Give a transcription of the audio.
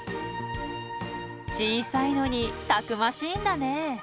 小さいのにたくましいんだね。